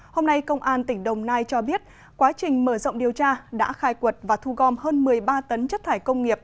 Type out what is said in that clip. hôm nay công an tỉnh đồng nai cho biết quá trình mở rộng điều tra đã khai quật và thu gom hơn một mươi ba tấn chất thải công nghiệp